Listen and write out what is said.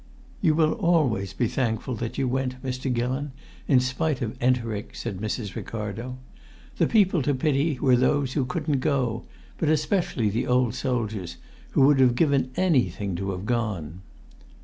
"You will always be thankful that you went, Mr. Gillon, in spite of enteric," said Mrs. Ricardo. "The people to pity were those who couldn't go, but especially the old soldiers, who would have given anything to have gone."